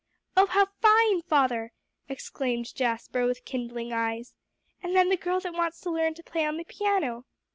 "Oh, how fine, father!" exclaimed Jasper with kindling eyes. "And then the girl that wants to learn to play on the piano."